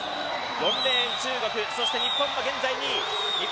４レーン・中国、日本は現在２位。